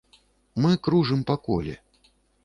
Мы кружым па коле.